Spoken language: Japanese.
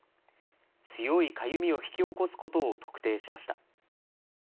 強いかゆみを引き起こすことを特定しました。